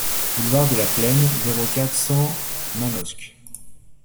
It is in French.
Boulevard de la Plaine, zéro quatre, cent Manosque